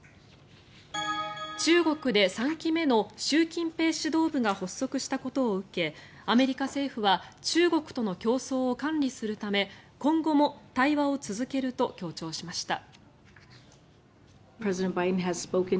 中国で３期目の習近平指導部が発足したことを受けアメリカ政府は中国との競争を管理するため今後も対話を続けると強調しました。